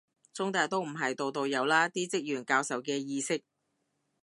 中大都唔係度度有啦，啲職員教授嘅意識